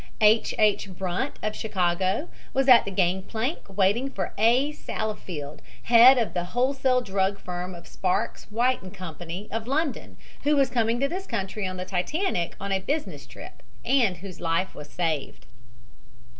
H. H. Brunt, of Chicago, was at the gangplank waiting for A. Saalfeld, head of the wholesale drug firm of Sparks, White & Co., of London, who was coming to this country on the Titanic on a business trip and whose life was saved.